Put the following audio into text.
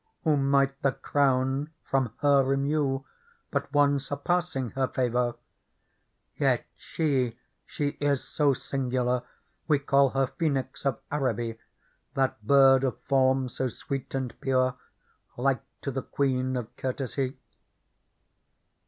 Who might the crown from her remue. But one surpassing her favour ? Yet she, she is so singular We call her Phoenix of Araby, That bird of form so sweet and pure. Like to the Queen of Courtesy."